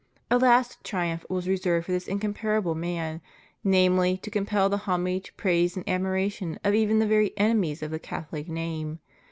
A last triumph was reserved for this incomparable man — namely, to compel the homage, praise, and ad miration of even the very enemies of the Cathohc name.